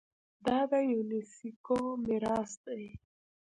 دا د یونیسکو میراث دی.